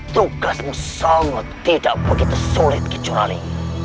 tugasmu sangat tidak begitu sulit kecuali